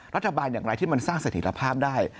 รัฐบาลอย่างไรที่มันสร้างสถิตภาพได้